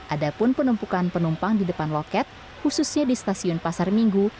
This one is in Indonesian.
ada pun penumpukan penumpang di depan loket khususnya di stasiun pasar minggu